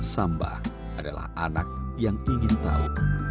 samba adalah anak yang ingin tahu